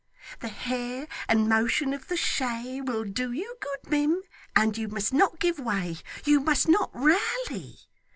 The hair, and motion of the shay, will do you good, mim, and you must not give way, you must not raly.